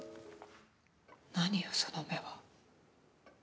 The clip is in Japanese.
何よ、その目は。